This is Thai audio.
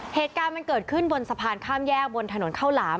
เหตุการณ์มันเกิดขึ้นบนสะพานข้ามแยกบนถนนข้าวหลาม